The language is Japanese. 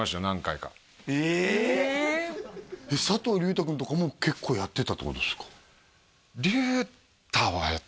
何回かええええ佐藤隆太君とかも結構やってたってことですか？